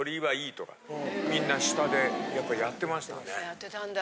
やってたんだ。